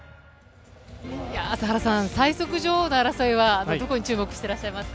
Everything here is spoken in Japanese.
朝原さん、最速女王の争いはどこに注目してらっしゃいますか？